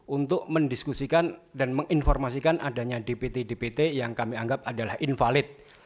untuk mendiskusikan dan menginformasikan adanya dpt dpt yang kami anggap adalah invalid